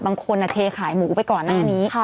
บางทีเทขายหมูไปก่อนหน้านี้